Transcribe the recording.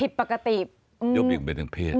ผิดปกติเรียกว่าเปลี่ยงเบนทางเพศ